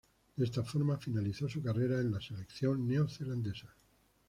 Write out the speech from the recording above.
De esta forma finalizó su carrera en la selección neozelandesa.